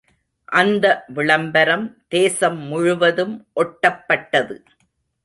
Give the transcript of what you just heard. அந்த விளம்பரம் தேசம் முழுவதும் ஒட்டப்பட்டது.